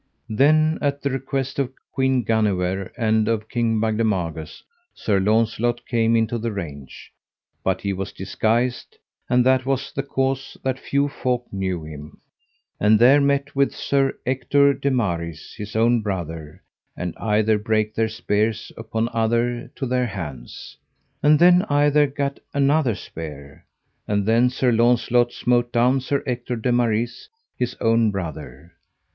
Then at the request of Queen Guenever and of King Bagdemagus Sir Launcelot came into the range, but he was disguised, and that was the cause that few folk knew him; and there met with him Sir Ector de Maris, his own brother, and either brake their spears upon other to their hands. And then either gat another spear. And then Sir Launcelot smote down Sir Ector de Maris, his own brother.